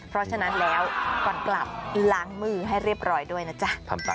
เพราะฉะนั้นแล้วก่อนกลับล้างมือให้เรียบร้อยด้วยนะจ๊ะ